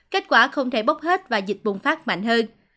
kết quả không thể bốc hết và dịch bùng phát mạnh hơn